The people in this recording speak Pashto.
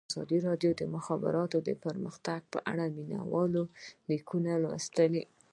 ازادي راډیو د د مخابراتو پرمختګ په اړه د مینه والو لیکونه لوستي.